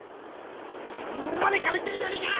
専門までかぶってるじゃねえかよ。